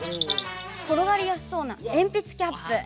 転がりやすそうなえんぴつキャップ。